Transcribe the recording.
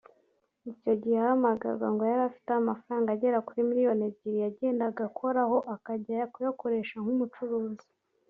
Icyo gihe ahamagarwa ngo yari afiteho amafaranga agera kuri miliyoni ebyiri yagendaga akoraho akajya kuyakoresha nk’umucuruzi